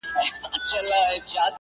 څو تر څو به دوې هواوي او یو بام وي,